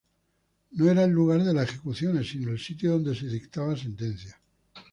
No era el lugar de las ejecuciones, sino el sitio donde se dictaba sentencia.